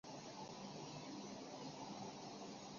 其妹朱仲丽嫁王稼祥。